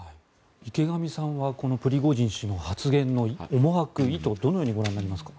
池上さんはこのプリゴジン氏の発言の思惑、意図どのようにご覧になりますか？